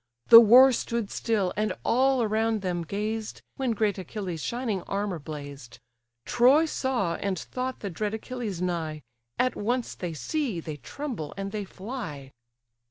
The war stood still, and all around them gazed, When great Achilles' shining armour blazed: Troy saw, and thought the dread Achilles nigh, At once they see, they tremble, and they fly.